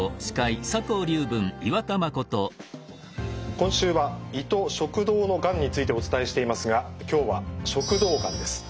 今週は胃と食道のがんについてお伝えしていますが今日は食道がんです。